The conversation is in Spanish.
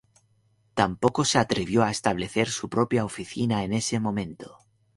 Tampoco se atrevió a establecer su propia oficina en ese momento.